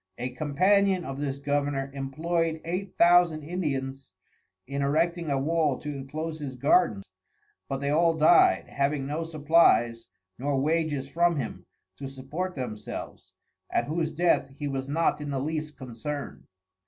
A Companion of this Governour employed Eight Thousand Indians in Erecting a wall to inclose his Garden, but they all dyed, having no Supplies, nor Wages from him, to support themselves, at whose Death he was not in the least concern'd.